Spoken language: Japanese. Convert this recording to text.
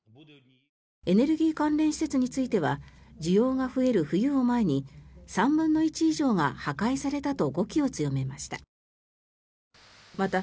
エネルギー関連施設については需要が増える冬を前に３分の１以上が破壊されたと語気を強めました。